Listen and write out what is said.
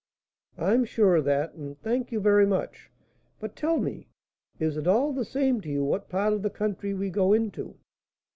"I am sure of that, and thank you very much. But tell me, is it all the same to you what part of the country we go into?"